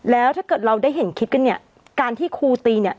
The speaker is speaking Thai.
แล้วถ้าเกิดเราได้เห็นคลิปกันเนี่ยการที่ครูตีเนี่ย